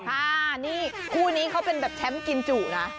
ค่ะนี่คู่นี้เขาเป็นแบบแชมป์กินจุนะ